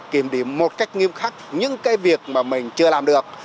kiểm điểm một cách nghiêm khắc những cái việc mà mình chưa làm được